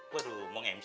waduh mau nge mc